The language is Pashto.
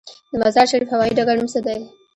د مزار شریف هوايي ډګر نوم څه دی؟